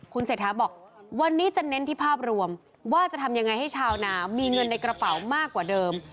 คุณเศรษฐาบอกวันนี้จะเน้นที่ภาพรวมว่าจะทำยังไงให้ชาวนามีเงินในกระเป๋ามากกว่าเดิม